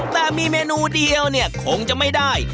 แต่มีเมนูเดียวเนี่ยคงจะไม่ได้